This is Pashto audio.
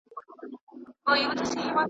وئيل يې چې دا شپه او تنهايۍ کله يو کيږي .